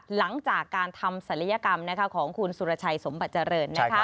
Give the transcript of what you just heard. หลังจากการทำศัลยกรรมของคุณสุรชัยสมบัติเจริญ